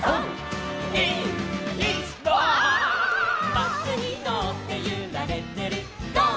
「バスにのってゆられてるゴー！